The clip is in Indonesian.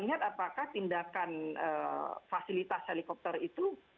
tinggal kita lihat apakah tindakan fasilitas helikopter itu